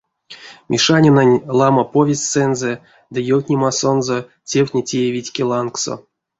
Мишанинань ламо повестьсэнзэ ды ёвтнемасонзо тевтне теевить ки лангсо.